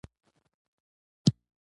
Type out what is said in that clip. دا لار کوزۍ خوا ته ځي او زما کور ته رسیږي